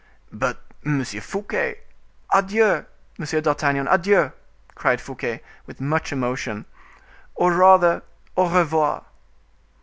"But, Monsieur Fouquet—" "Adieu! Monsieur d'Artagnan, adieu!" cried Fouquet, with much emotion; "or rather, au revoir."